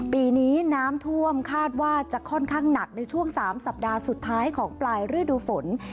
ปีนี้น้ำท่วมคาดว่าจะค่อนข้างหนักในช่วง๓สัปดาห์สุดท้ายของปลายฤดูฝน